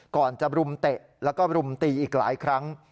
ก่อนจะรุมเตะแล้วก็รุมตีอีกหลายครั้ง